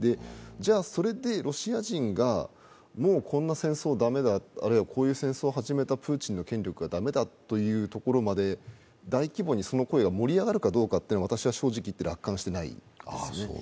じゃあ、それでロシア人がもうこんな戦争駄目だ、あるいはこういう戦争を始めたプーチンの政権は駄目だと大規模にその声が盛り上がるかどうかは、私は正直言って楽観してないんですよね。